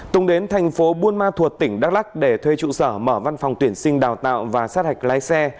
tùng đến thành phố buôn ma thuột tỉnh đắk lắc để thuê trụ sở mở văn phòng tuyển sinh đào tạo và sát hạch lái xe